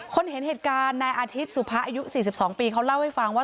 เห็นเหตุการณ์นายอาทิตย์สุภาอายุ๔๒ปีเขาเล่าให้ฟังว่า